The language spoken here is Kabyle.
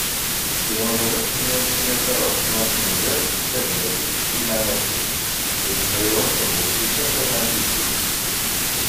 Yemḍel ass-nni n ttlata ɣef ṭnac n uzal deg taddart-is Timanacin deg tɣiwant n Buxlifa, tama n Tici.